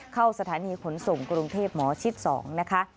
เข้าสถานีขนส่งกรุงเทพหมอชิด๒นะคะ